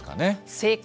正解。